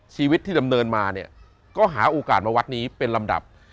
ชีวิตที่ดำเนินมาเนี่ยก็หาโอกาสมาวัดนี้เป็นลำดับ